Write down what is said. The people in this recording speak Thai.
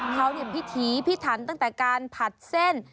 เขาพิถีพิถันตั้งแต่การผัดเส้น